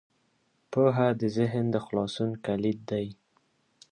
پوهه د ذهن د خلاصون کلید دی.